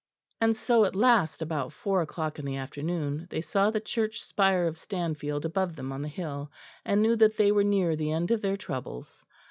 And so at last, about four o'clock in the afternoon, they saw the church spire of Stanfield above them on the hill, and knew that they were near the end of their troubles.